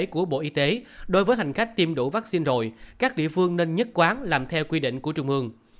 của bộ y tế đối với hành khách tiêm đủ vaccine rồi các địa phương nên nhất quán làm theo quy định của trung ương